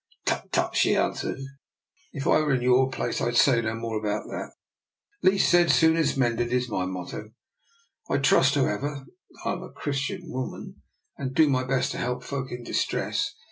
" Tut, tut! " she answered. " If I were in your place I'd say no more about that. Least said soonest mended, is my motto. I trust, however, I'm a Christian woman, and do my best to help folk in distress.